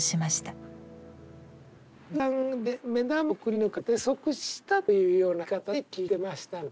銃弾で目玉をくりぬかれて即死した。というような言い方で聞いてましたので。